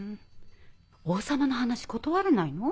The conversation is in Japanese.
王様の話断れないの？